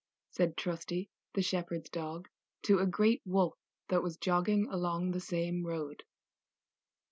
said Trusty, the shepherd's Dog, to a great wolf that was jogging along the same road.